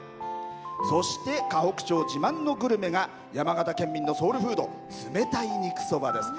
そして、河北町自慢のグルメが山形県民のソウルフード冷たい肉そばです。